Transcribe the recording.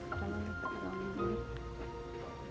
bisa enak kan